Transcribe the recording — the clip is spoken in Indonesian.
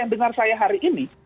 yang dengar saya hari ini